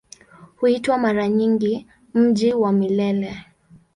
Huitwa mara nyingi "Mji wa Milele".